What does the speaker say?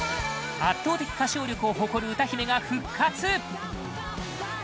圧倒的歌唱力を誇る歌姫が復活！